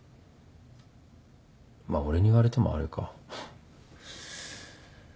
まあ俺に言われてもあれか。